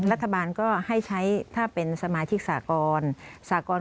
รัฐบาลก็ให้ใช้ถ้าเป็นสมาชิกสากรสากร